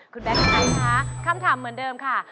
คุณแบ็คคุณไอซ์คะคำถามเหมือนเดิมค่ะ